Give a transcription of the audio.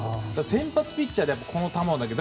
先発ピッチャーでこの球を投げる。